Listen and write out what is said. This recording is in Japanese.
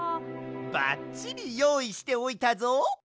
ばっちりよういしておいたぞ！